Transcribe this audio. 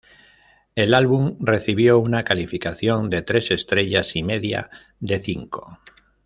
El álbum recibió una calificación de tres estrellas y media de cinco.